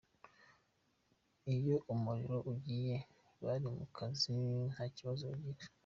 Iyo umuriro ugiye bari mu kazi nta kibazo bagira.